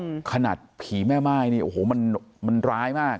คนก็บอกว่าขนาดผีแม่ไม้เนี่ยโอ้โหมันร้ายมาก